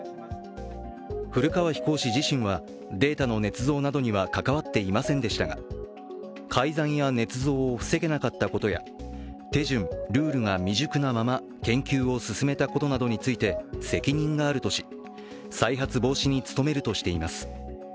古川飛行士自身はデータのねつ造などには関わっていませんでしたが改ざんやねつ造を防げなかったことや手順、ルールが未熟なまま研究を進めたことなどについて責任があるとし、再発防止に努めるとしています。